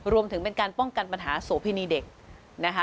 รวมถึงเป็นการป้องกันปัญหาโสพินีเด็กนะคะ